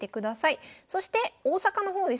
そして大阪の方ですね。